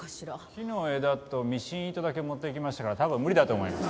木の枝とミシン糸だけ持っていきましたから多分無理だと思います。